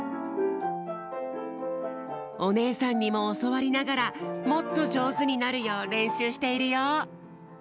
おねえさんにもおそわりながらもっとじょうずになるようれんしゅうしているよ。